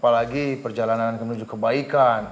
apalagi perjalanan menuju kebaikan